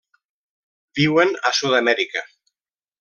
Viuen a Sud-amèrica.